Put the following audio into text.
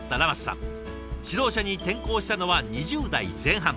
指導者に転向したのは２０代前半。